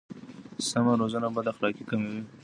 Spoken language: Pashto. سمه روزنه بد اخلاقي کموي.